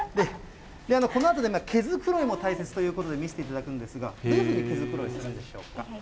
このあと、毛づくろいも大切ということで、見せていただくんですが、どういうふうに毛づくろいされるんでしょうか。